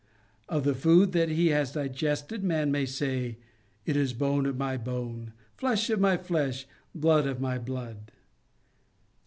Of the food that he has digested, man may say: "It is bone of my bone, flesh of my flesh, blood of my blood."